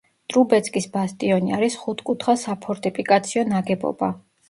ტრუბეცკის ბასტიონი არის ხუთკუთხა საფორთიფიკაციო ნაგებობა.